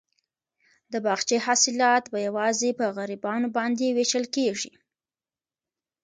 د باغچې حاصلات به یوازې په غریبانو باندې وېشل کیږي.